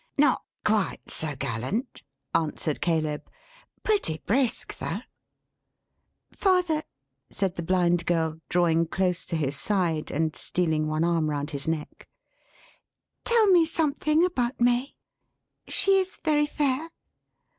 "Not quite so gallant," answered Caleb. "Pretty brisk though." "Father," said the Blind Girl, drawing close to his side, and stealing one arm round his neck "Tell me something about May. She is very fair?"